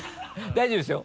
大丈夫ですよ。